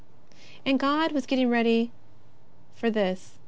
And God was getting her ready for this.